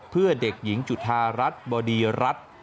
เพื่อเด็กหญิงจุธารัฐบดีรัฐ